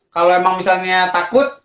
kalau emang misalnya takut